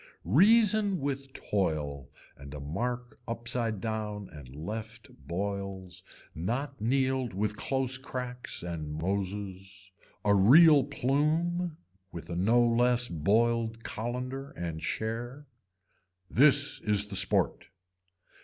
Reason with toil and a mark upside down and left boils not knealed with close cracks and moses. A real plume with a no less boiled collander and share. This is the sport.